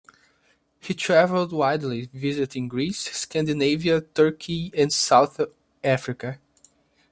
He travelled widely visiting Greece, Scandinavia, Turkey, and South Africa.